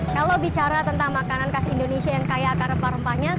kalau bicara tentang makanan khas indonesia yang kaya akar rempah rempahnya